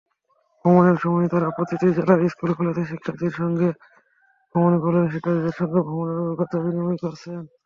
ভ্রমণের সময় তাঁরা প্রতিটি জেলার স্কুল-কলেজের শিক্ষার্থীদের সঙ্গে ভ্রমণের অভিজ্ঞতা বিনিময় করছেন।